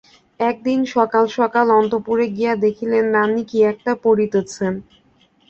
একদিন সকাল সকাল অন্তঃপুরে গিয়া দেখিলেন, রানী কী একটা পড়িতেছেন।